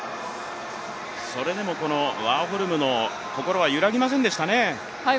それでもこのワーホルムの心は揺らぎませんでしたね。